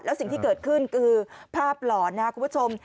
แล้วสิ่งที่เกิดขึ้นคือภาพหลอนนะครับคุณผู้ชม